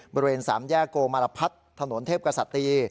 บริเวณสามแยกโกมารพัฒน์ถนนเทพกษัตรี